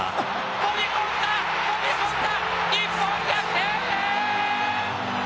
飛び込んだ、飛び込んだ日本逆転！